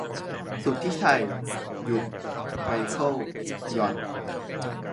สุทธิชัย หยุ่น ไมเคิล หย่อน